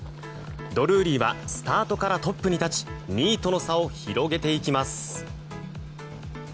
ドルーリーはスタートからトップに立ち２位との差を広げていきます。